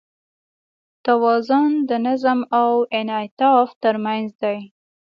توازن د نظم او انعطاف تر منځ دی.